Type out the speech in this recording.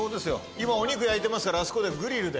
今お肉焼いてますからあそこでグリルで。